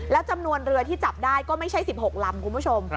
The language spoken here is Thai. แล้วจำนวนเรือที่จับได้ก็ไม่ใช่๑๖ลำคุณผู้ชม